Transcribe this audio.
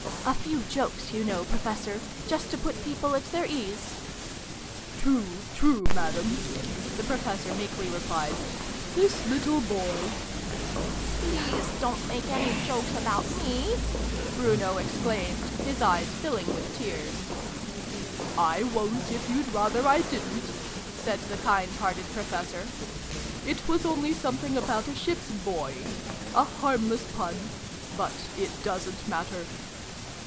"A few jokes, you know, Professor just to put people at their ease !"" True, true, Madam !" the Professor meekly replied. " This little boy " Please don't make any jokes about me /" Bruno exclaimed, his eyes filling with tears. " I won't if you'd rather I didn't," said the kind hearted Professor. "It was only some thing about a Ship's Buoy : a harmless pun but it doesn't matter."